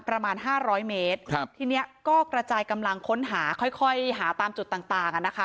ประมาณห้าร้อยเมตรครับทีนี้ก็กระจายกำลังค้นหาค่อยค่อยหาตามจุดต่างต่างอ่ะนะคะ